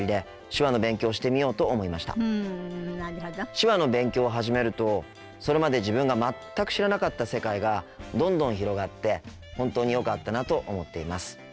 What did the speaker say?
手話の勉強を始めるとそれまで自分が全く知らなかった世界がどんどん広がって本当によかったなと思っています。